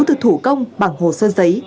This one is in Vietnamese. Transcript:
từ thủ công bằng hồ sơ giấy